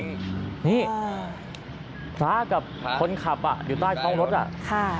นี่ฟ้ากับคนขับอ่ะอยู่ใต้ช่องรถอ่ะ